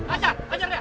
ajar ajar dia